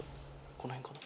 この辺かな？